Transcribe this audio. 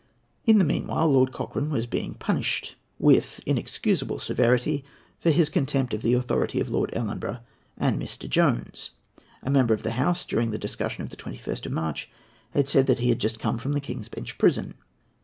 In the meanwhile Lord Cochrane was being punished, with inexcusable severity, for his contempt of the authority of Lord Ellenborough and Mr. Jones. A member of the House, during the discussion of the 21st of March, had said that he had just come from the King's Bench Prison.